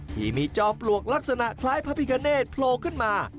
ที่มีจอมปลวกลักษณะคล้ายพระพิกาเนตโผล่ขึ้นมา